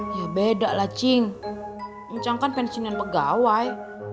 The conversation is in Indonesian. ya beda lah cing incang kan pensiunan pegawai